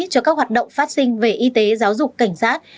cho các hoạt động phát sinh về y tế giáo dục cảnh sát